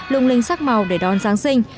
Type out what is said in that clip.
lùng linh sắc màu để đón giáng sinh